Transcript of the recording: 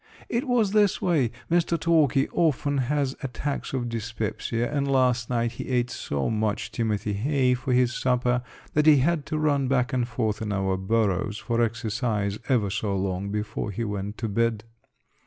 It was this way: Mr. Talky often has attacks of dyspepsia, and last night he ate so much timothy hay for his supper that he had to run back and forth in our burrows for exercise, ever so long before he went to bed.